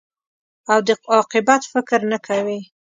او د عاقبت فکر نه کوې.